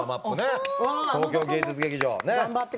東京芸術劇場。